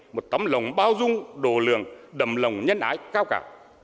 một tấm lòng bao dung đổ lường đầm lòng nhân ái cao cả